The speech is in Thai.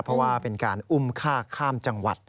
เพราะว่าเป็นการอุ้มฆ่าข้ามจังหวัด